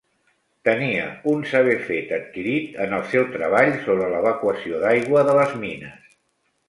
Tenien un saber fet adquirit en el seu treball sobre l'evacuació d'aigua de les mines.